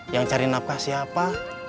yang cari napkah siapa